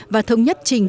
và thống nhất trình